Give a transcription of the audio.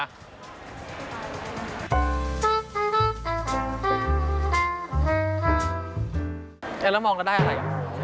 แต่กำลังวางแล้วได้อะไร